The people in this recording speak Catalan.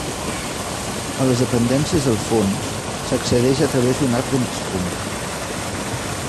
A les dependències del fons s'accedeix a través d'un arc de mig punt.